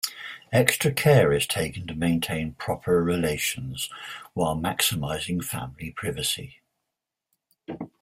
Extra care is taken to maintain proper relations while maximizing family privacy.